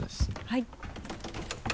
はい。